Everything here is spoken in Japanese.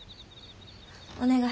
お願い。